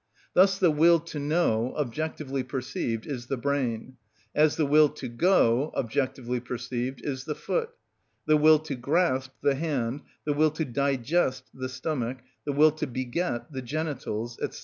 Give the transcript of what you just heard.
Thus the will to know, objectively perceived, is the brain; as the will to go, objectively perceived, is the foot; the will to grasp, the hand; the will to digest, the stomach; the will to beget, the genitals, &c.